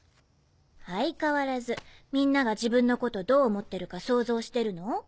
相変わらずみんなが自分のことどう思ってるか想像してるの？